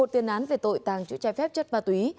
một tiền án về tội tàng trữ trái phép chất ma túy